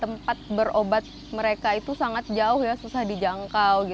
tempat berobat mereka itu sangat jauh ya susah dijangkau